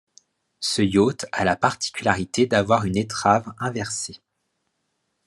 Ce yacht a la particularité d'avoir une étrave inversée.